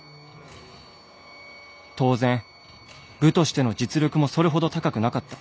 当然部としての実力もそれほど高くなかった。